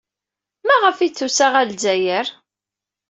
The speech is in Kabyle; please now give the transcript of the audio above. Maɣef ay d-tusa ɣer Lezzayer?